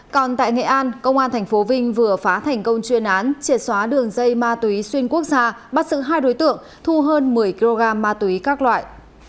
còn tại nghệ an công an tp vinh vừa phá thành công chuyên án triệt xóa đường dây ma túy xuyên quốc gia bắt giữ hai đối tượng thu hơn một mươi kg ma túy các loại